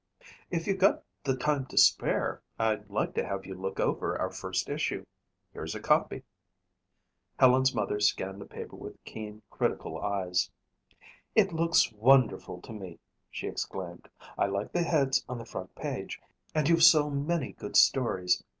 "If you've got the time to spare, I'd like to have you look over our first issue. Here's a copy." Helen's mother scanned the paper with keen, critical eyes. "It looks wonderful to me," she exclaimed. "I like the heads on the front page and you've so many good stories.